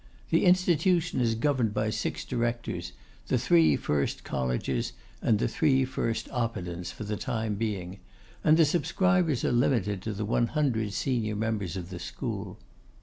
The Institution is governed by six directors, the three first Collegers and the three first Oppidans for the time being; and the subscribers are limited to the one hundred senior members of the school.